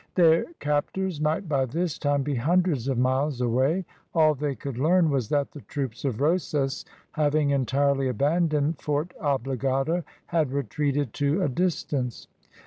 Their captors might by this time be hundreds of miles away. All they could learn was that the troops of Rosas, having entirely abandoned Fort Obligado, had retreated to a distance.